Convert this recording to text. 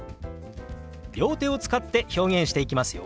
両手を使って表現していきますよ。